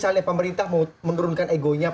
kalau misalnya pemerintah menurunkan egonya ya